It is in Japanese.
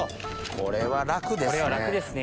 これは楽ですね。